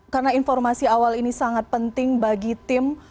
karena informasi awal ini sangat penting bagi tim